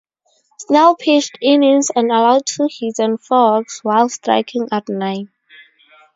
Snell pitched innings and allowed two hits and four walks while striking out nine.